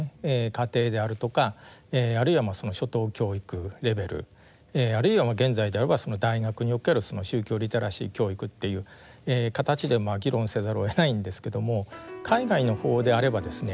家庭であるとかあるいは初等教育レベルあるいは現在であれば大学における宗教リテラシー教育っていう形で議論せざるをえないんですけども海外の方であればですね